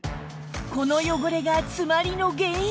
この汚れが詰まりの原因